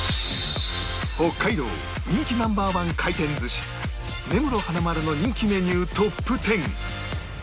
北海道人気 Ｎｏ．１ 回転寿司根室花まるの人気メニュートップ１０